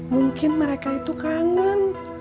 mungkin mereka itu kangen